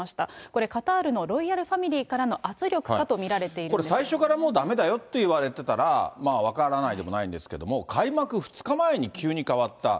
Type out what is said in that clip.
これ、カタールのロイヤルファミリーからの圧力かと見られているんですこれ、最初からもうだめだよっていわれてたら、分からないでもないんですけど、開幕２日前に急に変わった。